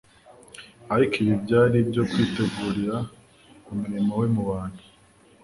ariko ibi byari ibyo kwitegurira umurimo we mu bantu